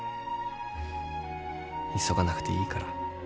急がなくていいから。